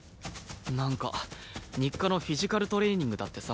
なんか日課のフィジカルトレーニングだってさ。